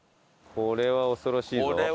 これは恐ろしいぞ。